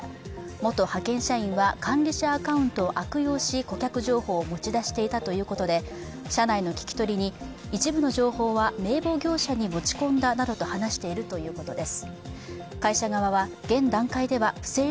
元派遣社員は管理者アカウントを悪用し、顧客情報を持ち出していたということで、社内の聞き取りに、一部の情報は名簿業者に持ち込んだなどと話しているということです。